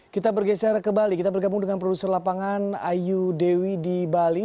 kita bergeser ke bali kita bergabung dengan produser lapangan ayu dewi di bali